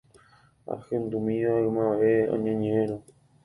Ahendúmiva ymave oñeñe’ẽrõ